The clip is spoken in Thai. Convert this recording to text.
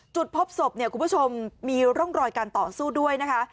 จุดพบศพเนี่ยคุณผู้ชมมีร่องรอยการต่อสู้ด้วยนะคะ